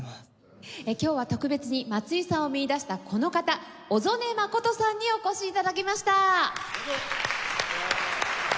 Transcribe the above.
今日は特別に松井さんを見いだしたこの方小曽根真さんにお越し頂きました。